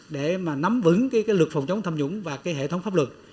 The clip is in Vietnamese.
để nắm vững lực phòng chống tham nhũng và hệ thống pháp luật